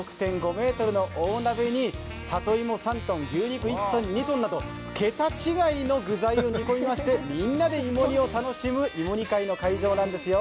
６．５ｍの大鍋に、里芋３ｔ、牛肉１ｔなど、桁違いの具材を煮込みましてみんなで芋煮を楽しむ芋煮会の会場なんですよ。